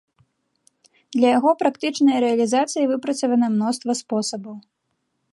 Для яго практычнай рэалізацыі выпрацавана мноства спосабаў.